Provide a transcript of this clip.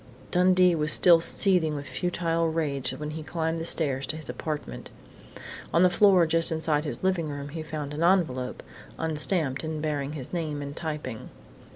Dundee was still seething with futile rage when he climbed the stairs to his apartment. On the floor just inside his living room door he found an envelope unstamped and bearing his name in typing.